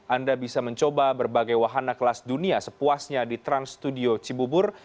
anda bisa mencoba berbagai wahana kelas dunia sepuasnya di trans studio cibubur